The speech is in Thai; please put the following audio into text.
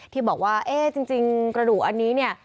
ที่บอกว่าเอ๊ะจริงกระดูกอันนี้เนี่ย